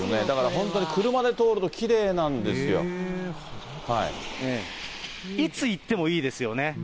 だから本当に、車で通るときれいなんですいつ行ってもいいですよね。